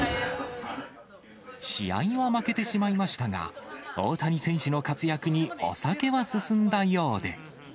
試合は負けてしまいましたが、大谷選手の活躍にお酒は進んだようで。